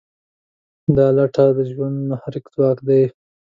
دا لټه د ژوند محرک ځواک دی.